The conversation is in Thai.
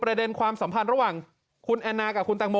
ประเด็นความสัมพันธ์ระหว่างคุณแอนนากับคุณตังโม